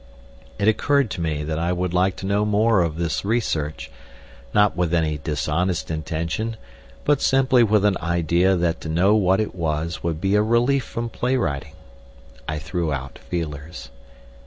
It occurred to me that I would like to know more of this research, not with any dishonest intention, but simply with an idea that to know what it was would be a relief from play writing. I threw out feelers.